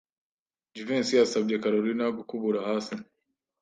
Jivency yasabye Kalorina gukubura hasi.